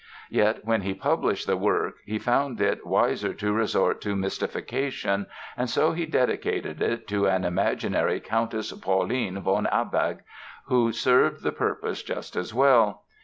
Yet when he published the work he found it wiser to resort to mystification and so he dedicated it to an imaginary Countess Pauline von Abegg, who served the purpose just as well.